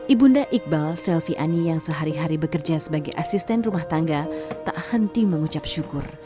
ibunda iqbal selvi ani yang sehari hari bekerja sebagai asisten rumah tangga tak henti mengucap syukur